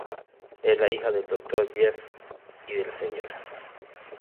Es la hija del Dr. Brief y de la Sra.